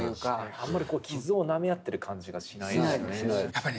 あんまり傷をなめ合ってる感じがしないですよね。